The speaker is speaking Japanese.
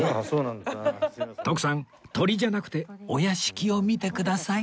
徳さん鳥じゃなくてお屋敷を見てください！